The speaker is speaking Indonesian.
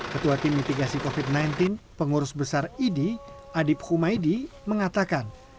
ketua tim mitigasi covid sembilan belas pengurus besar idi adib humaydi mengatakan